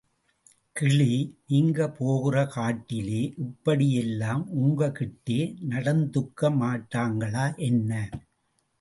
கிளி நீங்க போகிற காட்டிலே இப்படியெல்லாம் உங்க கிட்ட நடந்துக்க மாட்டாங்களா, என்ன?